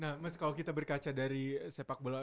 nah mas kalau kita berkaca dari sepak bola